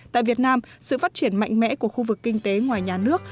tại việt nam sự phát triển mạnh mẽ của khu vực kinh tế ngoài nhà nước